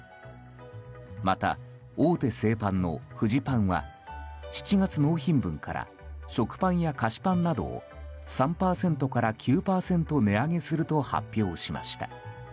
また、大手製パンのフジパンは７月納品分から食パンや菓子パンなどを３％から９％値上げすると発表しました。